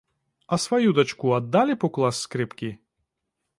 А сваю дачку аддалі б у клас скрыпкі?